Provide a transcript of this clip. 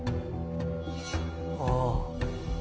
ああ。